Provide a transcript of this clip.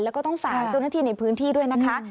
แล้วก็ต้องฝากเจ้าหน้าที่ในพื้นที่ด้วยนะคะ